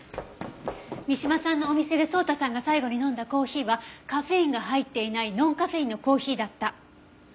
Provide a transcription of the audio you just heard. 三島さんのお店で草太さんが最後に飲んだコーヒーはカフェインが入っていないノンカフェインのコーヒーだった。